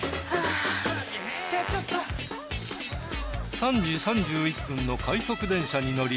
３時３１分の快速電車に乗り